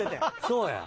そうや。